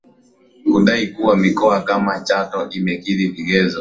kudai kuwa mikoa kama Chato imekidhi vigezo